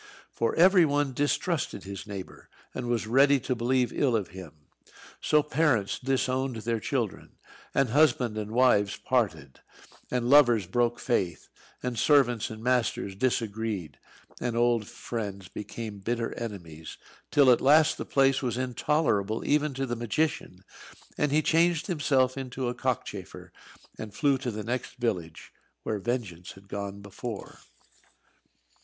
For every one distrusted his neighbour, and was ready to believe ill of him. So parents disowned their children, and husband and wives parted, and lovers broke faith; and servants and masters disagreed; and old friends became bitter enemies, till at last the place was intolerable even to the magician, and he changed himself into a cockchafer, and flew to the next village, where, Vengeance had gone before.